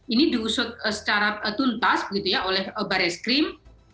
ini diusut secara tuntas oleh baris krim